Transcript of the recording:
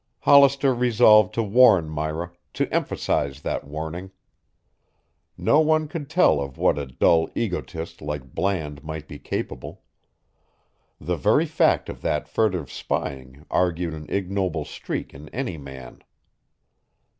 Hollister resolved to warn Myra, to emphasize that warning. No one could tell of what a dull egotist like Bland might be capable. The very fact of that furtive spying argued an ignoble streak in any man.